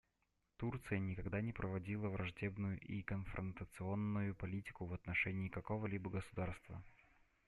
Турция никогда не проводила враждебную и конфронтационную политику в отношении какого-либо государства.